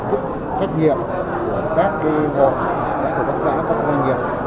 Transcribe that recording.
các kỳ hoạch của các sản phẩm nông nghiệp sản xuất nông nghiệp